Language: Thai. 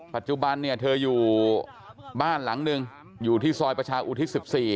ปัจจุบันเนี่ยเธออยู่บ้านหลังหนึ่งอยู่ที่ซอยประชาอุทิศ๑๔